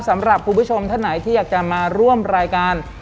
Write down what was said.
สำหรับคุณผู้ชมท่านไหนที่อยากจะมาร่วมรายการ